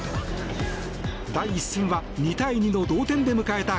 第１戦は２対２の同点で迎えた